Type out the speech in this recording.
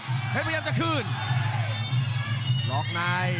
กรรมการเตือนทั้งคู่ครับ๖๖กิโลกรัม